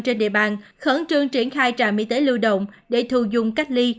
trên địa bàn khẩn trương triển khai trạm y tế lưu động để thu dung cách ly